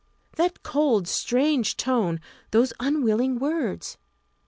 That cold, strange tone those unwilling words!